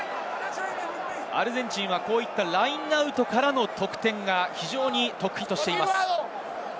アルゼンチンはラインアウトからの得点を非常に得意としています。